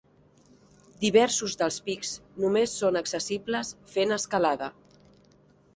Diversos dels pics només són accessibles fent escalada.